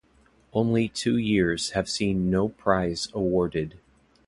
Only two years have seen no prize awarded.